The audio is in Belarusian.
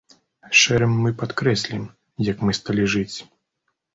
Шэрым мы падкрэслім, як мы сталі жыць!